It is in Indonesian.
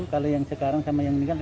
kalau yang sekarang sama yang meninggal